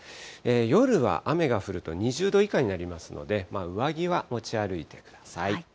夜は雨が降ると２０度以下になりますので、上着は持ち歩いてください。